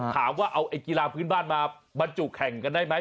ถามว่าเอากีฬาพื้นบ้านมาบรรจุแข่งกันได้ไหม